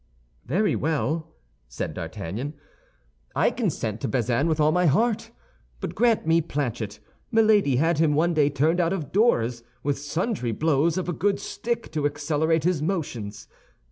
"Very well," said D'Artagnan, "I consent to Bazin with all my heart, but grant me Planchet. Milady had him one day turned out of doors, with sundry blows of a good stick to accelerate his motions.